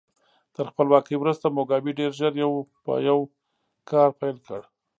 تر خپلواکۍ وروسته موګابي ډېر ژر یو په یو کار پیل کړ.